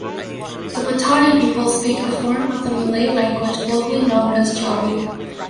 The Patani people speak a form of the Malay language locally known as Jawi.